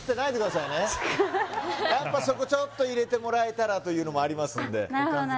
やっぱそこちょっと入れてもらえたらというのもありますんであっ